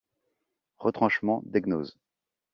Retranchement d'Aignoz.